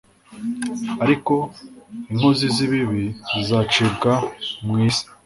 ariko inkozi z ibibi zizacibwa mu isi